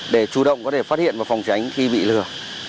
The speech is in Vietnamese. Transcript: để chủ động có thể phát hiện và phòng tránh khi bị lừa